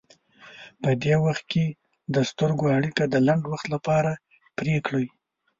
په دې وخت کې د سترګو اړیکه د لنډ وخت لپاره پرې کړئ.